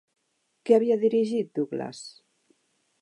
Què havia dirigit Douglas?